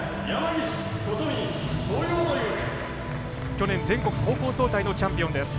去年、全国高校総体のチャンピオンです。